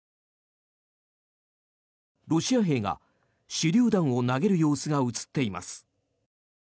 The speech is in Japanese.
ロシア兵が手りゅう弾を投げる様子が映っています。